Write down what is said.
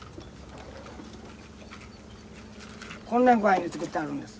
こんな具合に作ってあるんです。